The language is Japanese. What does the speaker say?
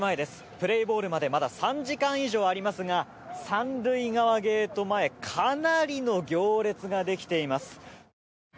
プレーボールまでまだ３時間以上ありますが３塁側ゲート前かなりの行列ができています。